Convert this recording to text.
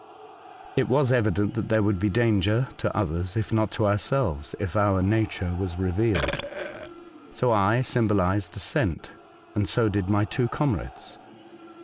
It was evident that there would be danger to others, if not to ourselves, if our nature was revealed. So I symbohsed assent, and so did my two comrades.